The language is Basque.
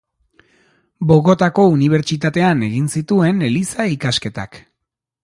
Bogotako unibertsitatean egin zituen eliza-ikasketak.